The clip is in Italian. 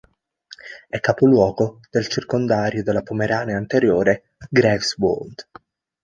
È capoluogo del circondario della Pomerania Anteriore-Greifswald.